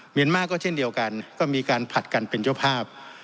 เมียนมาร์ก็เช่นเดียวกันก็มีการผลัดกันเป็นเจ้าภาพ